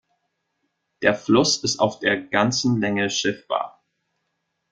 Der Fluss ist auf der ganzen Länge schiffbar.